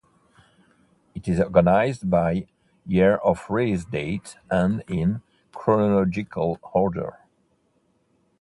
It is organized by "year of release date" and in "chronological order".